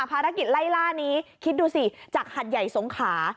ภารกิจไล่ล่านี้คิดดูสิจากหัดใหญ่สงขา